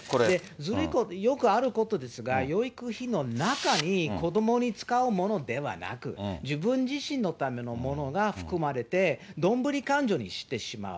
ずるいこと、よくあることですが、養育費の中に子どもに使うものではなく、自分自身のためのものが含まれて、どんぶり勘定にしてしまう。